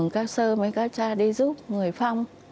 các sơ với các cha đi giúp người phong